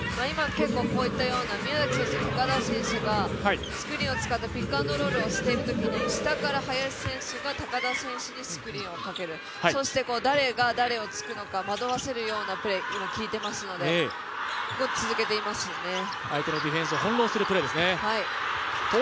今、宮崎選手、高田選手が、スクリーンを使ったピックアンドロールをしているときに下から林選手が高田選手にスクリーンをかける、そして誰が誰をつくのか惑わせるようなプレーが効いてますので相手のディフェンスを翻弄するプレーですよね。